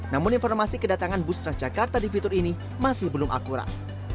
namun informasi kedatangan bus transjakarta di fitur ini masih belum akurat